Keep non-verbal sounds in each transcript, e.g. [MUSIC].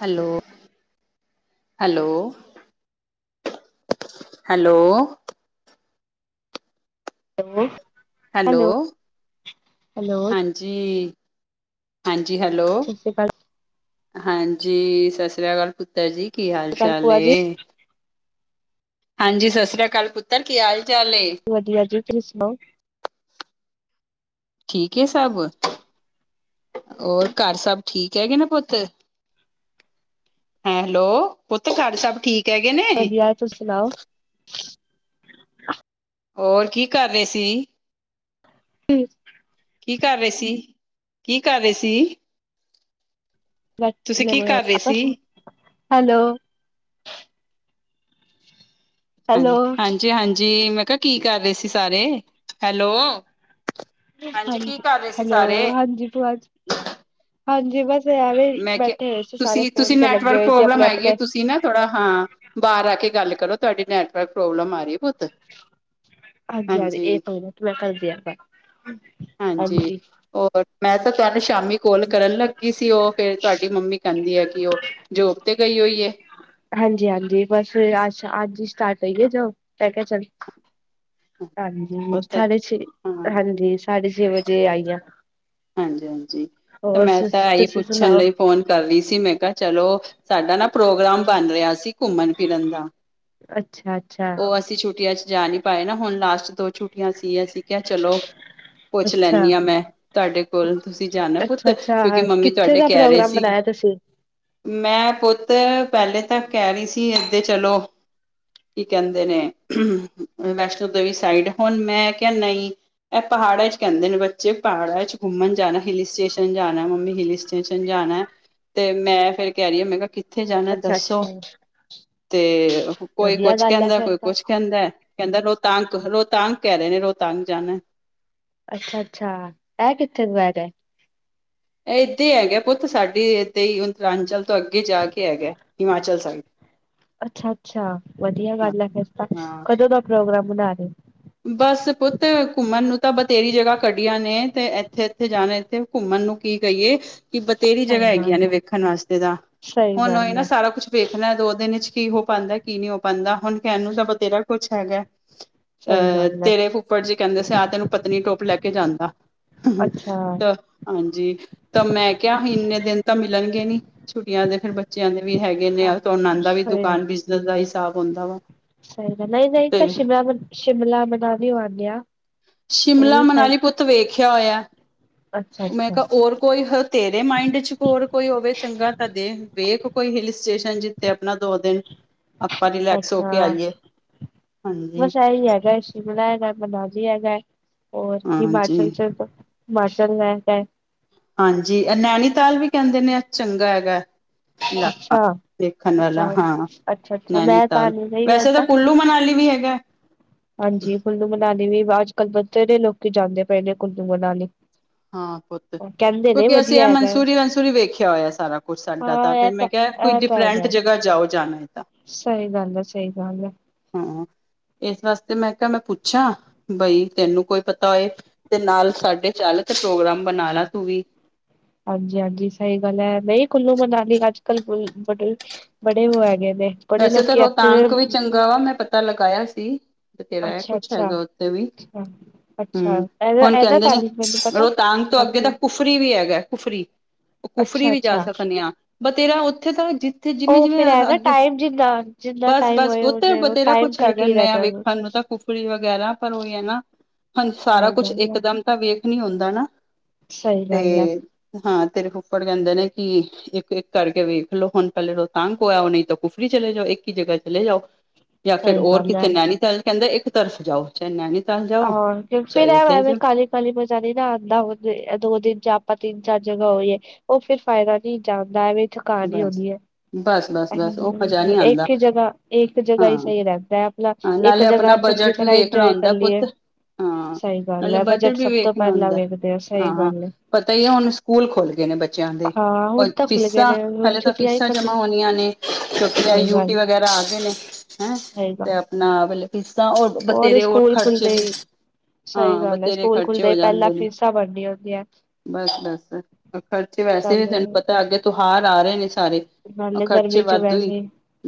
Hello hello. Hello. Hello. Hello. Hello ਹਾਂ ਜੀ। ਹਾਂ ਜੀ। ਹੈਲੋ। ਸਤਿ ਸ਼੍ਰੀ ਅਕਾਲ, ਹਾਂ ਜੀ। ਸਤਿ ਸ੍ਰੀ ਅਕਾਲ। ਦ ਜੀ। ਕੀ ਹਾਲ ਸਤਿ ਸ਼੍ਰੀ ਅਕਾਲ ਚਾਲ ਭੂਆ ਜੀ, ਹੈ। ਹਾਂ ਜੀ। ਸਤਿ ਸ੍ਰੀ ਅਕਾਲ। ਪੁੱਤਰ। ਕੀ ਹਾਲ ਚਾਲ। ਵਧੀਆ ਜੀ ਤੁਸੀਂ ਸੁਣਾਓ। ਠੀਕ ਹੈ ਸਭ। ਹੋਰ ਘਰ ਸਭ ਠੀਕ ਹੈਗੇ ਨਾ ਪੁੱਤ। ਹੈਂ ਹੈਲੋ ਪੁੱਤੋਂ ਤੁਹਾਡੇ ਸਭ ਠੀਕ ਹੈਗੇ ਨੇ ਵਧੀਆ ਤੁਸੀਂ ਸੁਣਾਓ। ਹੋਰ ਕੀ ਕਰ ਰਹੇ ਸੀ। ਹਮ। ਕੀ ਕਰ ਰਹੇ ਸੀ। ਕੀ ਕਰ ਰਹੇ ਸੀ। ਤੁਸੀਂ ਕੀ ਕਰ ਰਹੇ ਸੀ ਹੈਲੋ। ਹਾਂ ਹੈਲੋ ਹਾਂਜੀ ਹਾਂਜੀ ਮੈਂ ਕਿਹਾ ਕੀ ਕਰ ਰਹੇ ਸੀ ਸਾਰੇ ਹੈਲੋ। ਹਾਂਜੀ ਕੀ ਕਰ ਰਹੇ ਸੀ ਸਾਰੇ ਹੈਲੋ ਹਾਂਜੀ ਭੂਆ ਹਾਂਜੀ ਬਸ ਐਵੇਂ ਮੈਂ ਕਿਹਾ ਬੈਠੇ ਹੋਏ ਸੀ ਸਾਰੇ ਤੁਸੀਂ ਫੋਨ ਤੁਸੀਂ ਤੇ ਲੱਗੇ ਨੈਟਵਰਕ ਹੋਏ ਸੀ ਪ੍ਰੋਬਲਮ ਆਪਣੇ ਹੈਗੀ ਹੈ ਆਪਣੇ। ਤੁਸੀਂ ਨਾ ਥੋੜਾ ਹਾਂ ਬਾਹਰ ਆ ਕੇ ਗੱਲ ਕਰੋ ਤੁਹਾਡੀ ਨੈਟਵਰਕ ਪ੍ਰੋਬਲਮ ਆ ਰਹੀ ਹੈ ਪੁੱਤ। ਹਾਂਜੀ ਹਾਂਜੀ ਇੱਕ ਮੀਨਟ ਮੈਂ ਕਰਦੀ ਬੈਕ। ਹਾਂ ਜੀ। ਮੈਂ ਤਾਂ ਤੁਹਾਨੂੰ ਸ਼ਾਮੀ ਕੋਲ ਕਰਨ ਲੱਗੀ ਸੀ। ਉਹ ਫੇਿਰ। ਤੁਹਾਡੀ ਮੰਮੀ ਕਹਿੰਦੀ ਹੈ ਕਿ ਉਹ ਜੋਬ ਤੇ ਗਈ ਹੋਈ ਹੈ। ਹਾਂ ਜੀ। ਹਾਂ ਜੀ। ਬਸ ਐ। ਅੱਜ ਹੀ ਸਟਾਰਟ ਹੋਈਏ। ਜੋ ਮੈਂ ਕਿਹਾ ਚੱਲ। ਹਾਂ ਜੀ। ਪੁੱਤ ਸਾਢੇ ਛੇ। ਹਾਂ ਜੀ। ਸਾਢੇ ਛੇ ਵਜੇ ਆਈ ਹੈ। ਹਾਂ ਜੀ। ਹਾਂ ਜੀ। ਤੇ ਮੈਂ ਤਾਂ ਆਈ ਤੁਸੀਂ ਪੁੱਛਣ ਸੁਣਾਓ ਲਈ ਫੋਨ। ਕਰ ਰਹੀ ਸੀ। ਮੈਂ ਕਿਹਾ। ਚਲੋ ਸਾਡਾ ਨਾ ਪ੍ਰੋਗਰਾਮ ਬਣ ਰਿਹਾ ਸੀ ਘੁੰਮਣ ਫਿਰਨ ਦਾ। ਅੱਛਾ ਅੱਛਾ ਉਹ। ਅਸੀਂ ਛੁੱਟੀਆਂ ਚ ਜਾ ਰਹੇ ਹਾਂ ਨਾਂ। ਪਾਏ ਨਾ ਹੁਣ ਲਾਸਟ ਦੋ ਛੁੱਟੀਆਂ ਸੀ ਅਸੀਂ ਕਿਹਾ ਚਲੋ ਪੁੱਛ ਅੱਛਾ ਲੈਂਦੀ ਹਾਂ ਮੈਂ ਤੁਹਾਡੇ ਕੋਲ ਤੁਸੀਂ ਜਾਣਾ ਪੁੱਤ ਅੱਛਾ-ਅੱਛਾ ਕਿਉਂਕਿ ਮੰਮੀ ਕਿੱਥੇ ਤੁਹਾਡੇ ਦਾ ਕਹਿ ਰਹੇ ਪ੍ਰੋਗਰਾਮ ਸੀ ਬਣਾਇਆ ਤੁਸੀਂ ਮੈਂ ਪੁੱਤ ਪਹਿਲੇ ਤਾ ਕਹਿ ਰਹੀ ਸੀ ਇੱਦੇ ਚਲੋ ਕੀ ਕਹਿੰਦੇ ਨੇ ਵੈਸ਼ਨੋ ਦੇਵੀ ਸਾਈਡ ਹੁਣ ਮੈਂ ਕਿਹਾ ਨਹੀਂ। ਇਹ ਪਹਾੜਾਂ ਚ ਕਹਿੰਦੇ ਨੇ ਬੱਚੇ ਪਹਾੜਾਂ ਚ ਘੁੰਮਣ ਜਾਣਾ ਹਿੱਲ ਸਟੇਸ਼ਨ ਜਾਣਾ ਮੰਮੀ ਹਿੱਲ ਸਟੇਸ਼ਨ ਜਾਣਾ। ਤੇ ਮੈਂ ਫਿਰ ਕਹਿ ਰਹੀ ਹਾਂ ਮੈਂ ਕਿਹਾ ਕਿੱਥੇ ਜਾਣਾ ਦੱਸੋ ਅੱਛਾ-ਅੱਛਾ ਤੇ ਕੋਈ ਵਧੀਆ ਕੁਛ ਗੱਲ ਹੈ ਕਹਿੰਦਾ, ਫੇਰ ਕੋਈ ਤਾਂ ਕੁਛ। ਕਹਿੰਦਾ ਕਹਿੰਦਾ ਰੋਹਤਾਂਗ ਰੋਹਤਾਂਗ ਕਹਿ ਰਹੇ ਨੇ ਰੋਹਤਾਂਗ ਜਾਣਾ। ਅੱਛਾ ਅੱਛਾ ਇਹ ਕਿੱਥੇ ਤੋਂ ਹੈ ਗਏ। ਇਦੇ ਹੀ ਹੈਗੇ ਪੁੱਤ ਸਾਡੀ ਇਦਾਂ ਹੀ ਅੰਤਰਾਂਚਲ ਤੋਂ ਅੱਗੇ ਜਾ ਕੇ ਹੈਗਾ ਹਿਮਾਚਲ ਸਾਈਡ। ਅੱਛਾ ਅੱਛਾ ਵਧੀਆ ਹਾਂ ਗੱਲ ਆ ਫਿਰ ਤਾਂ ਹਾਂ ਕਦੋਂ ਦਾ ਪ੍ਰੋਗਰਾਮ ਬਣਾ ਰਹੇ। ਬਸ ਪੁੱਤ ਘੁੰਮਣ ਨੂੰ ਤਾਂ ਬਥੇਰੀ ਜਗ੍ਹਾ ਕੱਢੀਆਂ ਨੇ ਤੇ ਇੱਥੇ-ਇੱਥੇ ਜਾਣਾ ਇੱਥੇ ਘੁੰਮਣ ਨੂੰ ਕੀ ਕਹੀਏ ਕਿ ਬਥੇਰੀ ਸਹੀ ਜਗ੍ਹਾ ਹੈਗੀਆਂ ਗੱਲ ਨੇ ਹੈ ਵੇਖਣ ਵਾਸਤੇ ਤਾਂ ਸਹੀ ਹੁਣ ਇਹ ਗੱਲ ਨਾ ਹੈ ਸਾਰਾ ਕੁਛ ਵੇਖਣਾ ਦੋ ਦਿਨ ਵਿੱਚ ਕੀ ਹੋ ਪਾਉਂਦਾ ਕੀ ਨਹੀਂ ਹੋ ਪਾਉਂਦਾ ਹੁਣ ਕਹਿਣ ਨੂੰ ਤਾਂ ਬਥੇਰਾ ਕੁਛ ਹੈਗਾ। ਸਹੀ ਅਹ ਗੱਲ ਹੈ ਤੇਰੇ ਫੁੱਫੜ ਜੀ ਕਹਿੰਦੇ ਸੀ ਆਹ ਤੈਨੂੰ ਪਤਨੀ ਟੋਪ ਲੈ ਕੇ ਜਾਂਦਾ। ਅੱਛਾ ਤਾਂ। ਹਾਂਜੀ ਤਾਂ ਮੈਂ ਕਿਹਾ ਇੰਨੇ ਦਿਨ ਤਾਂ ਮਿਲਣਗੇ ਨੀ ਛੁੱਟੀਆਂ ਦੇ ਫਿਰ ਬੱਚਿਆਂ ਦੇ ਵੀ ਹੈਗੇ ਨੇ ਆਦਾ ਵੀ ਸਹੀ ਦੁਕਾਨ ਬਿਜਨਸ ਦਾ ਹਿਸਾਬ ਹੁੰਦਾ ਵਾ। ਸਹੀ ਗੱਲ ਨਹੀਂ ਤਾਂ ਤੇ ਸ਼ਿਮਲਾ ਮਨਾਲੀ ਹੋ ਆਣੇ ਹਾ। ਸ਼ਿਮਲਾ ਮਨਾਲੀ ਪੁੱਤ ਵੇਖਿਆ ਹੋਇਆ ਮੈਂ ਅੱਛਾ-ਅੱਛਾ ਕਿਹਾ ਹੋਰ ਕੋਈ ਤੇਰੇ ਮਾਇੰਡ ਚ ਹੋਰ ਕੋਈ ਹੋਵੇ ਚੰਗਾ ਤਾਂ ਦੇਖ ਵੇਖ ਕੋਈ ਹਿਲ ਸਟੇਸ਼ਨ ਜਿੱਥੇ ਆਪਣਾ ਦੋ ਦਿਨ ਆਪਾਂ ਅੱਛਾ ਰਿਲੈਕਸ ਹੋ ਕੇ ਆਈਏ ਹਾਂਜੀ। ਸਹੀ ਹੈਗਾ। ਸ਼ਿਮਲਾ ਹੈਗਾ ਮਨਾਲੀ ਹੈਗਾ ਹੈ ਔਰ ਹਿਮਾਚਲ ਹਾਂਜੀ ਚ ਹਿਮਾਚਲ ਹੈਗਾ ਹੈ। ਹਾਂਜੀ ਨੈਨੀਤਾਲ ਇਲਾਕਾ ਅੱਛਾ। ਦੇਖਣ ਅੱਛਾ ਵਾਲਾ ਹਾਂ ਅੱਛਾ ਅੱਛਾ ਮੈਂ ਤਾਂ ਨੈਨੀਤਾਲ ਨੀ ਗਈ ਮੈਂ ਵੈਸੇ ਤਾਂ ਕੁੱਲੂ ਮਨਾਲੀ ਵੀ ਹੈਗਾ। ਹਾਂਜੀ ਕੁੁੱਲੂ ਮਨਾਲੀ ਵੀ ਅੱਜ ਕੱਲ੍ਹ ਬਥੇਰੇ ਲੋਕ ਜਾਂਦੇ ਪਏ ਨੇ ਕੁੁੱਲੂ ਮਨਾਲੀ। ਹਾਂ ਪੁੱਤ ਕਹਿੰਦੇ ਨੇ ਕਿਉਂਕਿ ਅਸੀਂ ਵਧੀਆ ਇਹ ਹੈਗਾ ਮਨਸੂਰੀ ਵਨਸੂਰੀ ਵੇਖਿਆ ਹੋਇਆ ਸਾਰਾ। ਕੁਛ ਸਾਡਾ ਹਾਂ ਤਾਂ ਇਹ ਫਿਰ ਮੈਂ ਕਿਹਾ ਕੋਈ ਇਹ ਤਾਂ ਡਿਫਰੈਂਟ ਹੈਗਾ ਜਗ੍ਹਾ ਜਾਓ ਜਾਣਾ ਤਾਂ ਸਹੀ ਗੱਲ ਹੈ-ਸਹੀ ਗੱਲ ਹੈ- ਹਾਂ, ਇਸ ਵਾਸਤੇ ਮੈਂ ਕਿਹਾ ਮੈਂ ਪੁੱਛਾਂ, ਬਈ ਤੈਨੂੰ ਕੋਈ ਪਤਾ ਹੋਏ ਤੇ ਨਾਲ ਸਾਡੇ ਚੱਲ ਤੇ ਪ੍ਰੋਗਰਾਮ ਬਣਾ ਲਾ ਤੂੰ ਵੀ ਹਾਂਜੀ-ਹਾਂਜੀ ਸਹੀ ਗੱਲ ਹੈ ਨਹੀਂ ਕੁੱਲੂ-ਮਨਾਲੀ ਅੱਜ-ਕੱਲ ਕੋਇ ਵੜੀ ਬੜੇ ਉਹ ਹੈਗੇਏ ਨੇ ਬੜੇ ਲੋਕੀ ਇੱਥ ਗਵਾ ਮੈਂ ਪਤਾ ਲਗਾਇਆ ਸੀ ਬਥੇਰਾ ਹੈ ਅੱਛਾ ਕੁਛ ਅੱਛਾ ਹੈਗਾ ਉੱਥੇ ਵੀ, ਅੱਛਾ ਅੱਛਾ ਹਮ ਇਹਦਾ ਹੁਣ ਇਹਦਾ ਕਹਿੰਦੇ ਤਾਂ ਨੇ ਨੀ ਮੈਨੂੰ ਪਤਾ ਉਹ ਤਾਂਗ ਤੋਂ ਅੱਗੇ ਤਾਂ ਬਾਕੀ ਕੁਫਰੀ ਵੀ ਹੈਗਾ ਕੁਫਰੀ ਉਹ, ਕੁਫਰੀ ਅੱਛਾ ਵੀ ਜਾ ਅੱਛਾ ਸਕਦੇ ਆ ਭਥੇਰਾ ਉੱਥੇ ਤਾਂ ਜ ਉਹ ਫੇਰ ਹੈ ਨਾ ਟਾਈਮ ਜੀ ਨਾਲ ਬਸ-ਬਸ ਪੁਤ ਵਥੇਰਾ ਕੁਛ ਹੈਗਾ ਹੀ ਰਹਿ ਨਾਂ ਜਾਗਾ ਵੇਖਣ ਨੂੰ ਤਾਂ ਕੁਫੜੀ ਵਗੈਰਾ ਪਰ ਉਹੀ ਹੈ ਨਾ ਹਾਂਜੀ ਸਾਰਾ ਸਹੀ ਕੁਛ ਗੱਲ ਹੈ ਇਕਦਮ ਤਾਂ ਵੇਖ ਟ, ਨੀ ਹੁੰਦਾ ਨਾ ਸਹੀ ਗੱਲ ਹੈ ਤੇ ਹਾਂ ਤੇਰੇ ਫੁੱਫੜ ਕਹਿੰਦੇ ਨੇ ਕਿ ਇੱਕ-ਇੱਕ ਕਰਕੇ ਵੇਖਲੋ ਹੁਣ ਪਹਿਲੇ ਰੋਤਾਂਗ ਹੋਇਆ ਉਹ ਨਹੀਂ ਉਫਰੀ ਚਲੇ ਜਾਓ ਇੱਕ ਹੀ ਜਗ੍ਹਾ ਚਲੇ ਜਾਓ ਜਾਂ ਫਿਰ ਸਹੀ ਹੋਰ ਗੱਲ ਹੈ ਕਿੱਥੇ ਨੈਨੀਤਲ ਕਹਿੰਦਾ ਇੱਕ ਤਰਫ ਜਾਓ। ਚਾਹੇ ਨੈਨੀਤਾਲ ਜਾਓ ਚਾਹੇ ਕੀ ਮਜ਼ਾ ਨਹੀਂ ਨਾ ਆਉਂਦਾ ਹੋਵੇਂ ਦੋ ਦਿਨ ਚ ਆਪਾਂ ਤਿੰਨ ਚਾਰ ਜਗ੍ਹਾ ਹੋਈਏ। ਉਹ ਫਿਰ ਫਾਇਦਾ ਨਹੀਂ ਜਾਂਦਾ ਐਵੇ ਥਕਾਨ ਹੀ ਬਸ ਹੋਣੀ ਹੈ। ਬਸ-ਬਸ-ਬਸ ਉਹ ਮਜ਼ਾ ਨਹੀਂ ਆਂਦਾ ਇੱਕ ਹੀ ਜਗ੍ਹਾ ਇੱਕ ਜਗ੍ਹਾ ਹਾਂ ਹੀ ਸਹੀ ਰਹਦਾ ਹੈ ਆਪਣਾ ਹਾਂ ਇੱਕ ਨਾਲੇ ਆਪਣਾ ਜਗ੍ਹਾ ਚੰਗੀ ਬਜਟ ਵੀ ਤਰ੍ਹਾਂ ਵੇਖਣਾ ਇੰਜੋਏ ਕਰ ਹੁੰਦਾ ਪੁੱਤ ਲਈਏ ਹਾਂ ਸਹੀ ਗੱਲ ਨਾਲੇ ਹੈ ਬਜਟ ਵੀ ਸਭ ਤੋਂ ਵੇਖਣਾ ਪਹਿਲਾਂ ਹੁੰਦਾ, ਵੇਖਦੇ ਆ ਸਹੀ ਹਾਂ-ਹਾਂ ਗੱਲ ਹੈ ਪਤਾ ਹੀ ਹੈ ਹੁਣ ਸਕੂਲ ਖੋਲ ਗਏ ਨੇ ਬੱਚਿਆਂ ਦੇ ਹਾਂ ਹੁਣ ਪਰ ਤਾਂ ਖੁੱਲ ਗਏ ਫਿਸਾ ਨੇ ਹੁਣ ਹਲੇ ਤਾਂ ਛੁੱਟੀਆਂ ਹੀ ਫ਼ੀਸਾਂ ਜਮਾ ਖਤਮ ਹੋਣੀਆਂ ਨੇ ਕਿਉਂਕਿ ਸਹੀ ਗੱਲ ਯੂਟੀ ਵਗੈਰਾ ਆ ਗਏ ਨੇ ਹੈਂ ਸਹੀ ਤੇ ਗੱਲ ਆਪਣਾ ਮਤਲਬ ਫੀਸਾਂ ਹੋਰ ਬਥੇਰੇ ਹੋਰ ਸਕੂਲ ਖਰਚੇ ਖੁੱਲਦੇ ਵੀ ਹੀ ਸਹੀ ਹਾਂ ਗੱਲ ਹੈ ਬਥੇਰੇ ਸਕੂਲ ਖਰਚੇ ਖੁੱਲਦੇ ਪਹਿਲਾਂ ਫੀਸਾਂ ਬਰਨੀਆ ਹੁੰਦੀਆਂ ਬਸ-ਬਸ ਖਰਚੇ ਵੈਸੇ ਵੀ ਨਾਲੇ ਤੈਨੂੰ ਪਤਾ ਅੱਗੇ ਤਉਹਾਰ ਆ ਰਹੇ ਨੇ ਸਾਰੇ ਨਾਲੇ ਖਰਚੇ ਗਰਮੀ ਚ ਵਾਧੂ ਹੀ ਵੈਸੇ,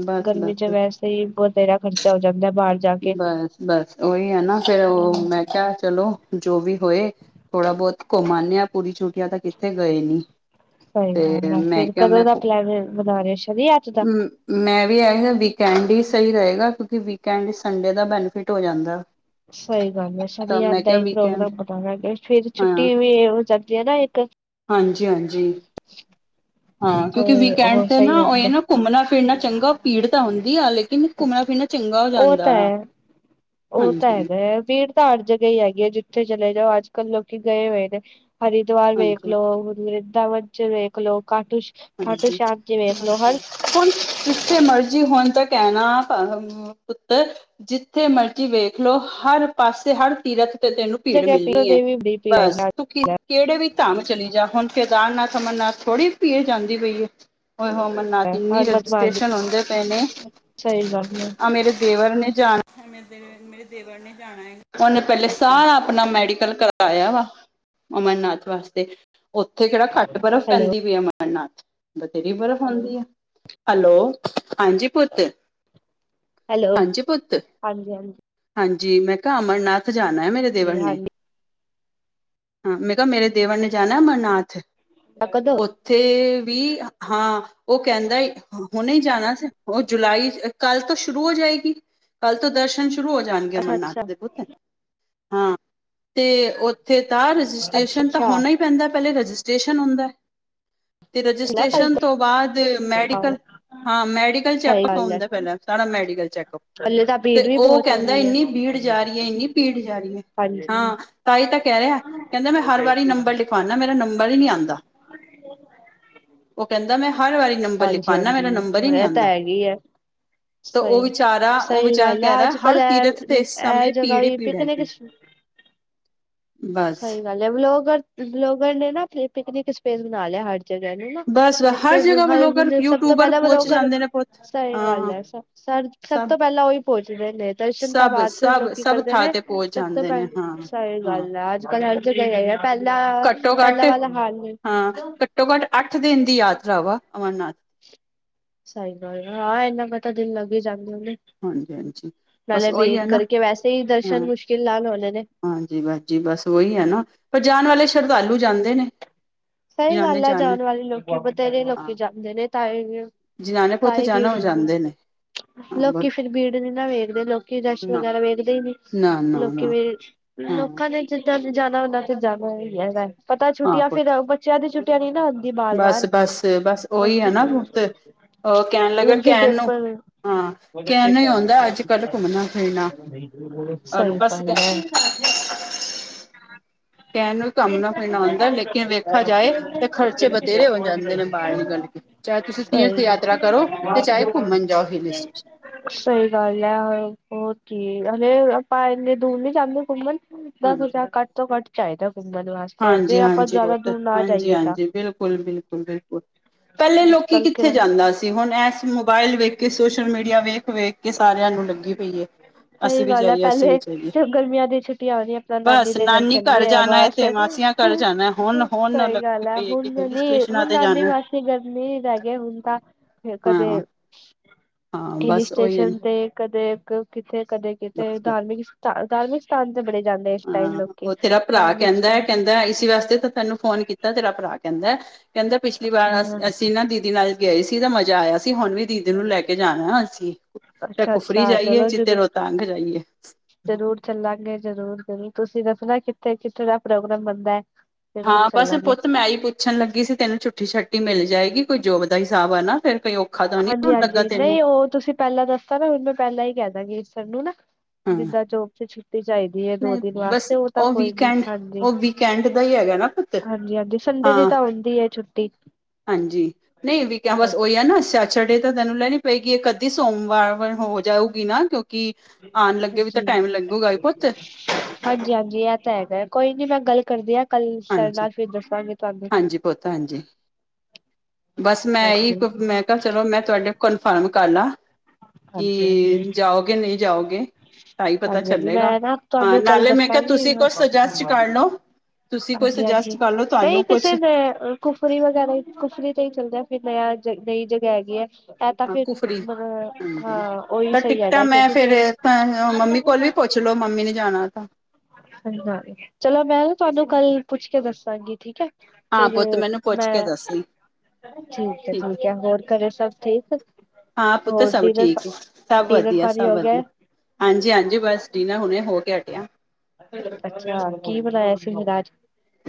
ਬਸ ਗਰਮੀ ਚ ਬਸ ਵੈਸੇ ਹੀ ਬਥੇਰਾ ਖਰਚਾ ਹੋ ਜਾਂਦਾ ਬਾਲ ਬਸ-ਬਸ ਉਓਹੀ ਹੈ ਨਾ ਫੇਰ ਉਹ ਮੈਂ ਕਿਹਾ ਚਲੋ ਜੋ ਵੀ ਹੋਏ, ਥੋੜਾ ਬਹੁਤ ਘੁੰਮਂ ਆ ਪੂਰੀ ਛੁਟੀਆਂ ਤਾਂ ਕਿੱਥੇ ਗਏ ਨੀ ਸਹੀ ਤੇ ਗੱਲ ਹੈ ਮੈਂ ਫੇਰ ਕਿਹਾ ਕਦੋਂ ਮੈਂ ਦਾ ਪਲੈਨ ਬਣਾ ਰਿਹੇ ਸ਼ਦੀ ਅੱਜ ਦਾ ਮੈਂ ਵੀ ਇਹਗਾ ਵੀਕਐਂਡ ਹੀ ਸਹੀ ਰਹੇਗਾ ਕਿਉਂਕਿ ਵੀਕਐਂਡ ਹੀ ਸੰਡੇ ਦਾ ਬੈਨੀਫਿਟ ਹੋ ਜਾਂਦਾ ਸਹੀ ਗੱਲ ਹੈ ਤਾਂ ਸ਼ਣੀ-ਐਤ ਮੈਂ ਦਾ ਕਿਹਾ ਵੀਕਐਂਡ ਪ੍ਰੋਗਰਾਮ ਬਣਾਵਾਂਗੇ ਫੇਰ ਛੁੱਟੀ ਵੀ ਹੋ ਜਾਂਦੀ ਹੈ ਨਾ ਇੱਕ ਹਾਂਜੀ-ਹਾਂਜੀ, ਹਾਂ ਕਿਉਂਕਿ ਤੇ ਵੀਕਐਂਡ ਉਹ ਤੇ ਸਹੀ ਨਾ ਉਹ ਰਹਿੰਦਾ ਨਾ ਘੁੰਮਣਾ ਫਿਰਨਾ ਚੰਗਾ ਪੀੜ ਤਾਂ ਹੁੰਦੀ ਆ ਲੇਕਿਨ ਘੁੰਮਣਾ ਫਿਰਨਾ ਚੰਗਾ ਹੋ ਉਹ ਜਾਂਦਾ ਆ ਹੈ ਉਹ ਤਾਂ ਹਾਂਜੀ ਹੈਗਾ ਵੀੜ ਤਾਂ ਹਰ ਜਗਾ ਹੀ ਹੈਗੀ ਹੈ ਜਿੱਥੇ ਚਲੇ ਜਾਓ ਅੱਜ-ਕੱਲ੍ਹ ਲੋਕੀ ਗਏ ਹੋਏ ਨੇ ਹਰਿਦਵਾਰ ਵੇਖ ਹਾਂਜੀ ਲੋ-ਵਰਿੰਦਾਵਨਜ ਵੇਖ ਲੋ-ਕਾਟੂਸ਼ਾਮ ਹਾਂਜੀ ਖਾਟੂਸ਼ਾਮ ਚ ਵੇਖ ਲੋ ਹਰ ਬਸ ਹੁਣ ਜਿੱਥੇ ਮਰਜ਼ੀ ਹੁਣ ਤਾਂ ਕਹਿਣਾ ਤਰਮ ਪੁੱਤਰ ਜਿੱਥੇ ਮਰਜ਼ੀ ਵੇਖ ਲੋ ਹਰ ਪਾਸੇ ਹਰ ਤੀਰਥ ਤੇ ਤੈਨੂੰ ਭੀੜ ਜਗ੍ਹਾ ਪੀਰੋ ਮਿਲਣੀ ਹੈ, ਦੇਵੀ ਬੜੀ ਭੀੜ ਬਸ ਹੈਗੀ। ਤੂੰ ਕੀ ਕਿਹੜੇ ਵੀ ਧਾਮ ਚਲੀ ਜਾ ਹੁਣ ਕੇਦਾਰਨਾਥ-ਅਮਰਨਾਥ ਥੋੜ੍ਹੀ ਪੀਰ ਜਾਂਦੀ ਪਈ ਹੈ ਐ ਹੋਮਰਨਾਥ ਇਨੀ ਰਜਿਸਟ੍ਰਸ਼ਨ ਹੋਨਦੇ ਪੈਣੇ, ਸਹੀ ਗੱਲ ਆ ਮੇਰੇ ਦੇਵਰ ਨੇ ਜਾਣਾ ਹੈ। ਮੇਰੇ ਦੇਵਰ ਨੇ ਜਾਣਾ ਹੈ। ਉਹਨੇ ਪਹਿਲਾਂ ਆਪਣਾ ਹੈ ਸਾਰਾ ਮੈਡੀਕਲ ਕਰਵਾਉਣਾ ਹੈ। ਅਮਰਨਾਥ ਵੱਲ ਤਾਂ ਬਹੁਤ ਬਰਫ਼ ਪੈਂਦੀ ਹੈ, ਉੱਥੇ ਕਿਹੜੀ ਘੱਟ ਬਰਫ਼ ਹੈਲੋ ਪੈਂਦੀ ਹੈ? ਅਮਰਨਾਥ 'ਤੇ ਬਥੇਰੀ ਬਰਫ਼ ਹੁੰਦੀ ਹੈ। ਹੈਲੋ ਹਾਂ ਜੀ, ਪੁੱਤ। ਹਾਂਜੀ ਹਾਂਜੀ ਹਾਂ ਜੀ, ਮੈਂ ਕਿਹਾ, ਅਮਰਨਾਥ ਜਾਣਾ ਹੈ ਮੇਰੇ। ਦੇਵਰ ਨੇ। ਹਾਂਜੀ ਹਾਂ, ਮੈਂ ਕਿਹਾ ਮੇਰੇ ਦੇਵਰ ਨੇ ਅਮਰਨਾਥ ਜਾਣਾ ਹੈ। ਤਕਦ ਤੇ ਵੀ ਹਾਂ, ਉਹ ਕਹਿੰਦਾ ਹੁਨੇ ਜਾਨਾ ਸੀ ਹੁਨ ਜੁਲਾਈ ਕੱਲ ਤੋਂ ਸ਼ੁਰੂ ਹੋ ਜਾਏਗੀ ਕੱਲ ਤੋਂ ਦਰਸ਼ਨ ਸ਼ੁਰੂ ਹੋ ਜਾਣਗੇ ਅੱਛਾ ਅਮਰਨਾਥ ਅੱਛਾ [UNINTELLIGIBLE] ਦੇ ਕੁਥ ਹਾਂ ਤੇ ਉੱਥੇ ਤਾਂ ਅੱਛਾ ਰਜਿਸਟ੍ਰੇਸ਼ਨ ਤਾਂ ਅੱਛਾ ਹੋਨਾ ਈ ਪੈਂਦਾ ਪਹਿਲੇ ਰਜਿਸਟ੍ਰੇਸ਼ਨ ਹੁੰਦਾ ਤੇ ਨਾ ਕੱਲ ਰਜਿਸਟ੍ਰੇਸ਼ਨ ਤੋਂ ਬਾਅਦ ਤੋਂ ਮੈਡੀਕਲ ਹਾਂ ਮੈਡੀਕਲ ਸਹੀ ਚੈਪਕ ਗੱਲ ਹੈ ਉਂਦੇ ਪੈਨੇ ਸਾਰਾ ਮੈਡੀਕਲ ਚੈੱਕਅਪ ਹਲੇ ਤਾਂ ਭੀੜ ਤੇ ਵੀ ਉਹ ਬਹੁਤ ਕਹਿੰਦਾ ਹੋਣੀ ਹੈ ਏਨੀ ਭੀੜ ਜਾਰੀ ਏ ਇੰਨੀ ਭੀੜ ਜਾਰੀ ਏ ਹਾਂਜੀ ਹਾਂ ਤਾਈ ਤਾਂ ਕੇਆ ਆ ਕਹਿੰਦਾ ਮੈਂ ਹਰ ਵਾਰੀ ਨੰਬਰ ਲਿਖਵਾਉਦਾ ਮੇਰਾ ਨੰਬਰ ਈ ਨੀ ਆਉਂਦਾ ਉਹ ਕਹਿੰਦਾ ਮੈਂ ਹਰ ਵਾਰੀ ਨੰਬਰ ਹਾਂਜੀ, ਲਿਖਵਾਉਣਾ ਮੇਰਾ ਹਾਂਜੀ ਨੰਬਰ ਹੀ ਨਹੀਂ ਇਹ ਤਾਂ ਆਉਂਦਾ ਹੈਗੇ ਆ ਤਾਂ ਉਹ ਸਹੀ ਵਿਚਾਰਾ ਉਹ ਸਹੀ ਵਿਚਾਰਾ ਗੱਲ ਕਹਿ ਐ ਰਿਹਾ ਅੱਜ ਕੱਲ ਹਰ ਐ ਤੀਰਥ ਤੇ ਇਸ ਇਹ ਸਮੇਂ ਜਗ੍ਹਾ ਭੀੜ ਹੀ ਵੀ ਭੀੜ ਪਿਕਨਿਕ ਹੈਗੀ ਬਸ ਸਹੀ ਗੱਲ ਏ ਵਲੋਗਰ ਵਲੋਗਰ ਨੇ ਨਾ ਪਿਕਨਿਕ ਸਪੇਸ ਬਨਾ ਲਿਆ ਜਗ੍ਹਾ ਨੂੰ ਨਾ ਬਸ ਹਰ ਜਿੱਥੇ ਜਗ੍ਹਾ ਹ ਲੋਕ ਹੁਣ ਸਭ ਤੋਂ ਯੂਟਿਊਬਰ ਪਹਿਲਾਂ ਮਤਲਬ ਪਹੁੰਚ ਉਹ ਘਰ ਜਾਂਦੇ ਨੇ ਪੁੱਤ ਸਹੀ ਹਾਂ ਗੱਲ ਹੈ ਸਰ [UNINTELLIGIBLE] ਸਭ ਤੋਂ ਪਹਿਲਾਂ ਉਈ ਪਹੁੰਚਦੇ ਨੇ ਦਰਸ਼ਨ ਤੋਂ ਸਭ ਬਾਅਦ ਸਭ ਲੋਕੀ ਸਭ ਕਰਦੇ ਥਾਂ ਨੇ ਤੇ ਪਹੁੰਚ ਸਭ ਤੋਂ ਜਾਂਦੇ ਨੇ ਪਹਿ ਹਾਂ ਸਹੀ ਹਾਂ ਗੱਲ ਆ ਅੱਜ ਕੱਲ ਹਰ ਜਗ੍ਹਾ [UNINTELLIGIBLE] ਪਹਿਲਾਂ ਪਹਿਲਾਂ ਵਾਲਾ ਹਾਲ ਨਹੀਂ ਘੱਟੋ-ਘੱਟ, ਅੱਠ-ਦਿਨ ਦੀ ਯਾਤਰਾ ਵਾ ਅਮਰਨਾਥ ਸਹੀ ਗੱਲ ਹੈ। ਹਾਂ, ਇੰਨੇ ਹੀ ਦਿਨ ਲੱਗ ਜਾਂਦੇ ਹਨ ਉਹਦੇ। ਹਾਂਜੀ-ਹਾਂਜੀ ਨਾਲੇ ਭੇਟ ਕਰਕੇ, ਵੈਸੇ ਵੀ ਦਰਸ਼ਨ ਮੁਸ਼ਕਿਲ ਨਾਲ ਹੁੰਦੇ ਨੇ। ਹਾਂ ਜੀ, ਬਸ ਜੀ। ਬਸ ਉਹੀ ਹੈ ਨਾ, ਪਰ ਜਾਣ ਵਾਲੇ ਨੇ ਸ਼ਰਧਾਲੂ ਜਾਂਦੇ ਨੇ, ਸਹੀ ਜਾਂਦੇ ਹੀ ਗੱਲ ਹੈ ਜਾਂਦੇ ਨੇ। ਜਾਣ ਵਾਲੇ ਲੋਕੀ ਬਥੇਰੇ ਲੋਕੀ ਜਾਂਦੇ ਨੇ ਤ ਜਿਨਾਨੇ ਪੁਤ ਜਾਣਾ ਉ ਜਾਂਦੇ ਨੇ ਹਾਂ ਬ ਲੋਕੀ ਫੇਰ ਬੀੜ ਨੀ ਨਾ ਵੇਖਦੇ ਲੋਕੀ ਰਸ਼ ਨਾ ਵਗੈਰਾ ਵੇਖਦੇ ਈ ਨੀ ਨਾ ਨਾ ਲੋਕੀ ਨਾ ਵੀ ਹਾਂ ਲੋਕਾਂ ਨੇ ਜਿੱਦਾਂ ਜਾਣਾ ਹੁੰਦਾ ਤੇ ਜਾਣਾ ਹੀ ਹੈ ਪਤਾ ਹਾਂ ਛੁੱਟੀਆਂ ਫਿਰ ਪੁੱਤ ਬੱਚਿਆਂ ਦੀ ਛੁੱਟੀਆਂ ਨੀ ਨਾ ਹੁੰਦੀ ਬਾਰ ਬਸ ਬਾਰ ਬਸ ਬਸ ਉਹੀ ਹੈ ਨਾ ਛੁੱਟੀ ਪੁੱਤ ਉਹ ਕਹਿਣ ਲੱਗਾ ਹੁਨ ਫੇਰ ਕਹਿਣ ਨੂੰ ਪੇਪਰ ਹਾਂ ਕਹਿਣ ਨੂੰ ਹੀ ਆਉਂਦਾ ਅੱਜ ਕੱਲ ਘੁੰਮਣਾ ਫਿਰਨਾ ਔਰ ਸਹੀ ਬਸ ਗ ਹੈ [UNINTELLIGIBLE] ਪਨ [UNINTELLIGIBLE] ਘੁਮਣਾ ਫਿਰਨਾ ਆਉਂਦਾ ਲੇਕਿਨ ਵੇਖਾ ਜਾਏ ਤੇ ਖਰਚੇ ਬਥੇਰੇ ਹੋ ਜਾਂਦੇ ਨੇ ਬਾਹਰ ਨਿਕਲ ਕੇ ਚਾਹੇ ਤੁਸੀਂ ਤੀਰ ਦੀ ਸਹੀ ਯਾਤਰਾ ਕਰੋ ਤੇ ਚਾਹੇ ਘੁੰਮਣ ਜਾਓ ਹ ਸਟੇ ਸਹੀ ਗੱਲ ਏ ਉਹ [UNINTELLIGIBLE] ਹੇ ਆਪਾਂ ਇੰਨੇ ਦੂਰ ਨਹੀਂ ਜਾਂਦੇ ਘੁੰਮਣ ਦਸ ਹਾਂਜੀ ਹਜ਼ਾਰ ਘੱਟ ਤੋਂ ਘੱਟ ਚਾਹੀਦਾ ਘੁੰਮਣ ਵਾਸ ਹਾਂਜੀ, ਹਾਂਜੀ ਬਹੁਤ ਹਾਂਜੀ, ਤਾਂ ਹਾਂਜੀ ਬਿਲਕੁਲ, ਬਿਲਕੁਲ, ਬਿਲਕੁਲ ਪੈਲੇ ਅੱਜ ਲੋਕੀ ਕੱਲ ਕਿੱਥੇ ਕਿਰਾ ਜਾਂਦਾ ਸੀ। ਹੁਨ, ਐਸ ਮੋਬਾਇਲ ਵੇਖਕੇ, ਸੋਸ਼ਲ ਮੀਡੀਆ ਵੇਖ- ਵੇਖ ਕਿ, ਸਾਰਿਆਂ ਨੂੰ ਲੱਗੀ ਪਈ ਏ ਸਹੀ ਅਸੀਂ ਵੀ ਗੱਲ ਐ, ਜਾਈਏ ਪਹਿਲੇ ਅਸੀਂ ਵੀ ਜਾਈਏ ਜਬ ਗਰਮੀਆਂ ਦੀ ਛੁੱਟੀਆ ਹੋਨੀਆ, ਅਪਨਾ ਨਾਨੀ ਬਸ ਦੇ ਘਰ ਚੱਲੀਏ ਆ ਜਾਣਾ ਹੈ ਬਸ ਤੇ ਸਹੀ ਮਾਸੀਆਂ ਘਰ ਜਾਣਾ ਹੁਣ ਹੁਣ ਲੱਗੀ ਗੱਲ ਐ। ਪਈ ਹੈ ਕਿ ਹੁਨ ਹਿਲ ਨੀ, ਸਟੇਸ਼ਨਾਂ ਹੁਨ, ਤੇ ਨਾਨੀ, ਜਾਣਾ ਮਾਸੀ, ਗ ਮੇ ਦਾ, ਹ ਤਾਂ, ਹ ਕਦੇ ਹਾਂ [UNINTELLIGIBLE] ਹਾਂ, ਬ ਹਿਲ ਸਟੇਸ਼ਨ ਤੇ, ਕਦੇ ਕਿਥੇ, ਕਦੇ ਕਿਤੇ ਬਸ ਧਾਰਮਿਕ ਸਥਾ, ਧਾਰਮਿਕ ਸਥਾਨ ਤੇ ਬੜੇ ਜਾਂਦੇ ਇਸ ਟਾਈਮ ਹਾਂ ਲੋਕ ਉਹ ਤੇਰਾ ਭਰਾ ਕੈਂਦੈ, ਕਹਿੰਦਾ ਹੈ ਇਸੀ ਵਾਸਤੇ ਤਾਂ, ਤੈਨੂੰ ਫੋਨ ਕੀਤਾ ਤੇਰਾ ਭਰਾ ਕਹਿੰਦਾ, ਕਹਿੰਦਾ ਪਿਛਲੀ ਅੱਛਾ ਵਾਰ ਅਸੀਂ ਨਾ ਦੀਦੀ ਨਾਲ ਗਏ ਸੀ, ਤਾਂ ਮਜ਼ਾ ਆਇਆ ਸੀ, ਹੁਨ ਵੀ ਦੀਦੀ ਨੂੰ ਲੈਕੇ ਣਾ ਅਸੀਂ ਤੇ, ਅੱਛਾ-ਅੱਛਾ ਫ੍ਰੀ ਜਾਈਏ ਚਲੋ ਚਿੱਤੇ ਜਰੂਰ ਰੋਹ ਤੰਗ ਜਾਈਏ। ਜ਼ਰੂਰ ਚੱਲਾਂਗੇ, ਜ਼ਰੂਰ- ਜ਼ਰੂਰ ਤੁਸੀਂ ਦੱਸਨਾ ਕਿੱਥੇ, ਕਿੱਥੇ ਦਾ ਪ੍ਰੋਗਰਾਮ ਬਣਦੈ ਹਾਂ, ਬਸ ਪੁੱਤ ਮੈਂ, ਈ ਪੁੱ ਪੁੱਛਣ ਲੱਗੀ ਸੀ, ਤੈਨੂੰ ਛੁੱਟੀ ਛਾੱਟੀ ਮਿਲ ਜਾਏਗੀ, ਕੋਈ ਜੋਬ ਦਾ ਹਿਸਾਬ ਆ, ਨਾ ਫਿਰ, ਕੋਈ ਔਖਾ ਤਾਂ ਨਹੀਂ ਹਾਂਜੀ, ਹੋਣ ਲੱਗਾ ਹਾਂਜੀ। ਤੈਨੂੰ ਨਹੀਂ, ਓ, ਤੁਸੀਂ ਪੈਲਾਂ ਦੱਸਤਾ ਨਾ ਹੁਣ ''ਮੈਂ ਪੈਲਾਂ ਹੀ ਕਹਿ ਦਾਂਗੀ ਸਰ ਨੂੰ ਨਾ, ਹਾਂ ਜਿੱਦਾਂ ਜੋਬ ਤੇ ਚਾਈਦੀ ਐ, ਦੋ ਨਹੀਂ ਦਿਨ ਬਸ ਵਾਸਤੇ ਉਹ ਤਾਂ, ਕੋਈ ਨੀ ਵੀਕਐਂਡ ਹਾਂਜੀ ਉਹ ਵੀਕਐਂਡ ਦਾ ਹੀ ਹੈਗਾ ਨਾ ਪੁੱਤ ਹਾਂਜੀ, ਹਾਂਜੀ ਸੰਡੇ ਹਾਂ ਦੀ ਤਾਂ ਉਂਦੀ ਹੈ ਛੁੱਟੀ। ਹਾਂਜੀ। ਨਹੀਂ ਵੀ, ਕ ਬਸ ਉਹੀ ਹੈ ਨਾ ਸੈਚਰਡੇ ਤਾਂ, ਤੈਨੂੰ ਲੈਣੀ ਪਏਗੀ ਇਕ-ਅੱਧੀ ਸੋਮਵਾਰ ਵਰ ਹੋ ਜਾਊਗੀ ਨਾ ਕਿਉਂ ਕਿ, ਆਣ ਲੱਗੇ ਵੀ ਤਾਂ, ਹਾਂਜੀ। ਟਾਈਮ ਲੱਗੁਗਾ ਹੀ ਪੁੱਤ! ਹਾਂਜੀ-ਹਾਂਜੀ ਐ, ਤਾਂ ਹੈਗਾ ਕੋਈ ਨੀ ''ਮੈਂ ਗੱਲ ਕਰਦੀ ਆ ਕਲ ਸਰ ਹਾਂਜੀ ਨਾਲ, ਫਿਰ ਦੱਸਾਂਗੇ ਤੁਹਾਨੂੰ। ਹਾਂਜੀ ਪੁੱਤ ਹਾਂਜੀ ਬਸ ''ਮੈਂ ਇਈ ਮੈਂ, ਕਿਹਾ ਚਲੋ, ਮੈਂ ਤੁਹਾਡੇ ਕਨਫਰਮ ਕਰਲਾ। ਹਾਂਜੀ-ਹਾਂਜੀ-ਹਾਂਜੀ ਕਿ ਜਾਓਗੇ, ਨਹੀਂ ਜਾਓਗੇ? ਤਾ, ਹੀ ਪਤਾ ਹਾਂਜੀ-ਹਾਂਜੀ ਚੱਲੇਗਾ। ਮੈਂ ਨਾ ਹਾਂ, ਤੁਹਾਨੂੰ ਕੱਲ ਨਾਲੇ ''ਮੈਂ ਕਿਆ ਦੱਸਾਂਗੀ ਤੁਸੀ ਕੁਛ ਸਜੈਸਟ ਕਰਲੋ। ਹਾਂਜੀ -ਹਾਂਜੀ। ਨਹੀਂ ਕੁਛ ਕਿਸੇ ਨੇ ਕੁਫਰੀ ਵਗੈਰਾ, ਕੁਫਰੀ ਤੇ, ਹੀ ਚੱਲਦਾ ਫਿਰ ਨਯ, ਨਈ ਜਗ੍ਹਾ ਹੈਗੀਆ। ਐ, ਤਾ, ਹਾਂ, ਫਿਰ, ਕੁਫਰੀ ਹਾਂਜੀ ਹਾਂ-ਹਾਂ। ਉਹੀ, ਤਾਂ ਸਹੀ ਟਿਕਟਾਂ ਹੈਗਾ ਕਿਉਂਕਿ, ਫਿਰ ਪੁੱਛਲੋੋ, ਮੰਮੀ ਨੇ ਜਾਣਾ, ਤਾ ਹਾਂ, ਹਾਂਜੀ, ਚਲੋ, ਮੈਂ, ਨਾ ਤੁਹਾਨੂੰ ਕੱਲ ਪੁੱਛਕੇ ਦੱਸਾਂਗੀ ਠੀਕ ਹੈ! ਹਾਂ ਫਿਰ ਪੁੱਤ ਮੈਨੂੰ ਪੁੱਛ ਕੇ ''ਮੈਂ ਦੱਸੀ ਠੀਕ ਹੈ, ਠੀਕ ਹੈ। ਹੋਰ, ਘਰੇ ਸਭ ਠੀਕ? ਹਾਂ, ਪੁੱਤਰ ਹੋਰ ਸਭ ਡਿਨਰ ਠੀਕ! ਸਭ ਡਿਨਰ ਵਧੀਆ, ਪਾਣੀ ਸਭ ਹੋ ਵਧੀਆ! ਗਿਆ ਹਾਂਜੀ, ਹਾਂਜੀ। ਬਸ, ਡੀਨਾ ਹੁਨੇ ਹੋਕੇ ਹਟਿਆ। ਅੱਛਾ। ਕੀ, ਬਣਾਇਆ ਸੀ ਫੇਰ ਆਜ?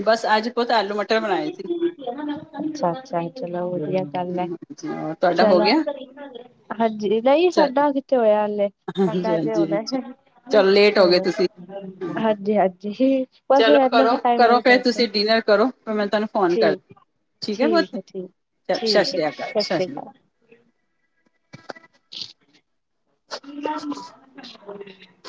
ਬਸ, ਅੱਜ ਪੁਤ ਆਲੂ-ਮਟਰ ਬਣਾਏ ਸੀ! ਅੱਛਾ- ਅੱਛਾ! ਚਲੋ, ਵਧੀਆ। ਗੱਲ ਹੈ ਤੁਹਾਡਾ ਹੋ ਚਲੋ ਗਿਆ? ਹਾਂਜੀ! ਨਹੀਂ, ਚਲੋ ਸਾਡਾ ਕਿੱਥੇ ਹੋਇਆ। ਹਾਲੇ ਤੁਹਾਡਾ ਹਾਂਜੀ ਅਜੇ ਹਾਂਜੀ ਹਾਂਜੀ ਹੋਣਾ ਜੇ? ਚਲੋ ਲੇਟ ਹੋ ਗਏ ਤੁਸੀਂ ਅੱਛਾ। ਹਾਂਜੀ- ਹਾਂਜੀ। ਬਸ ਇਨਾ ਚਲੋ ਕਰੋ ਕ ਟਾਈਮ ਕਰੋ ਫਿਰ ਜਾਂਦਾ। ਤੁਸੀਂ ਡਿਨਰ ਕਰੋ ਫਿਰ ਮੈਂ ਤੁਹਾਨੂੰ ਫੋਨ ਕਰ ਠੀਕ ਏ। ਠੀਕ ਹੈ, ਠੀਕ- ਚਲ ਸਤਿ ਠੀਕ ਹੈ, ਸ਼੍ਰੀ ਅਕਾਲ ਸਤਿ ਸ਼੍ਰੀ ਸ੍ਰੀ ਅਕਾਲ! ਹ [UNINTELLIGIBLE]